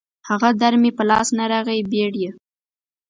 هغه در مې په لاس نه راغی بېړيه